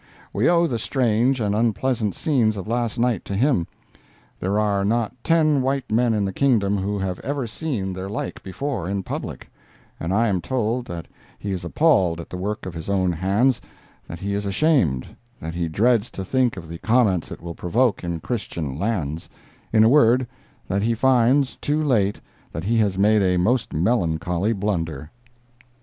We owe the strange and unpleasant scenes of last night to him—there are not ten white men in the kingdom who have ever seen their like before in public—and I am told that he is appalled at the work of his own hands—that he is ashamed—that he dreads to think of the comments it will provoke in Christian lands—in a word, that he finds, too late, that he has made a most melancholy blunder.